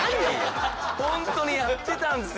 本当にやってたんですよ。